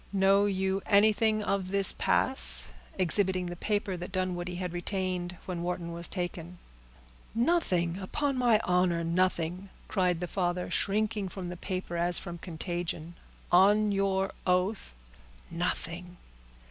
"Know you anything of this pass?" exhibiting the paper that Dunwoodie had retained when Wharton was taken. "Nothing—upon my honor, nothing," cried the father, shrinking from the paper as from contagion. "On your oath?" "Nothing."